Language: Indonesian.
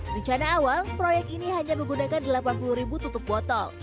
rencana awal proyek ini hanya menggunakan delapan puluh ribu tutup botol